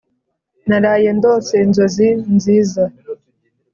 naraye ndose inzozi nziza